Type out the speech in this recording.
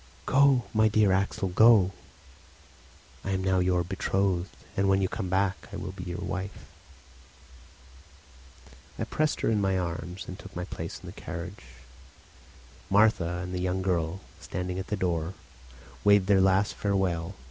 "Go, my dear Axel, go! I am now your betrothed; and when you come back I will be your wife." I pressed her in my arms and took my place in the carriage. Martha and the young girl, standing at the door, waved their last farewell.